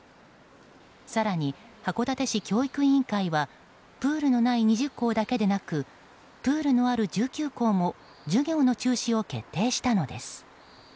更に、函館市教育委員会はプールのない２０校だけでなくプールのある１９校も授業の中止を決定したのです。